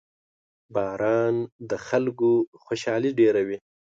• باران د خلکو خوشحالي ډېروي.